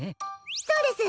そうです！